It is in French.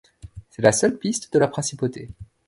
C'est la seule piste de la principauté.